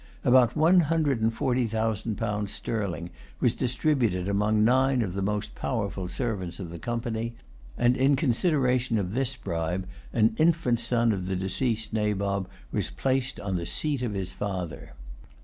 About one hundred and forty thousand pounds sterling was distributed among nine of the most powerful servants of the Company; and, in consideration of this bribe, an infant son of the deceased Nabob was placed on the seat of his father.